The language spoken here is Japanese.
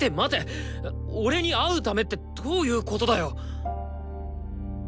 俺に会うためってどういうことだよ！？